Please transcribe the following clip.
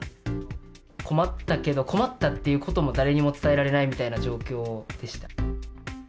困ったけど、困ったっていうことも誰にも伝えられないみたいな状況でした。